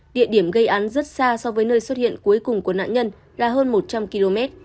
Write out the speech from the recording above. địa điểm gây án rất xa so với nơi xuất hiện cuối cùng của nạn nhân là hơn một trăm linh km